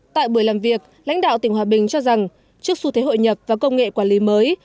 tại buổi làm việc lãnh đạo tỉnh hòa bình cho rằng trước xu thế hội nhập và công nghệ quản lý mới